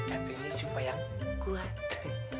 gantiinnya supaya kuat